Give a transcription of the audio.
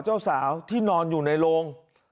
เจ้าสาวที่นอนอยู่ในโรง